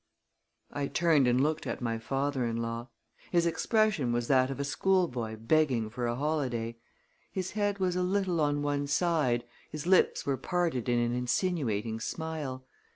I turned and looked at my father in law. His expression was that of a schoolboy begging for a holiday. His head was a little on one side, his lips were parted in an insinuating smile.